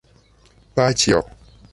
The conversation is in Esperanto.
paĉjo